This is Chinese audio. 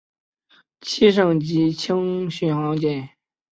七省级轻巡洋舰。